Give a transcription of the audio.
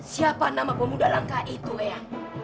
siapa nama pemuda langka itu ya